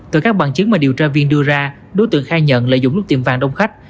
từ các bằng chứng mà điều tra viên đưa ra đối tượng khai nhận lợi dụng lúc tiệm vàng đông khách